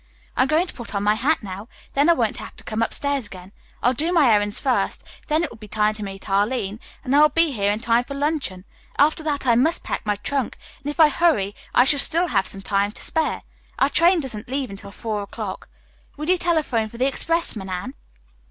"I'm going to put on my hat now, then I won't have to come upstairs again. I'll do my errands first, then it will be time to meet Arline, and I'll be here in time for luncheon. After that I must pack my trunk, and if I hurry I shall still have some time to spare. Our train doesn't leave until four o'clock. Will you telephone for the expressman, Anne?"